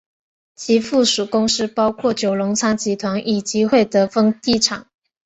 其附属公司包括九龙仓集团以及会德丰地产。